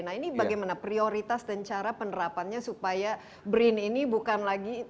nah ini bagaimana prioritas dan cara penerapannya supaya brin ini bukan lagi